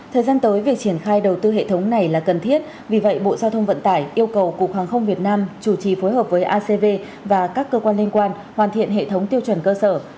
thời gian tới việc triển khai đầu tư hệ thống này là cần thiết vì vậy bộ giao thông vận tải yêu cầu cục hàng không việt nam chủ trì phối hợp với acv và các cơ quan liên quan hoàn thiện hệ thống tiêu chuẩn cơ sở